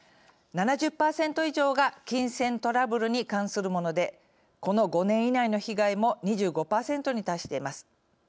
７０％以上が金銭トラブルに関するものでこの５年以内の被害も２５％に達しています。